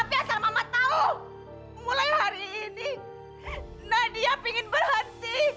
tapi asal mama tahu mulai hari ini nadia ingin berhenti